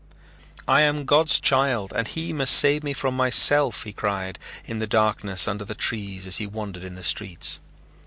"I am God's child and he must save me from myself," he cried, in the darkness under the trees as he wandered in the streets.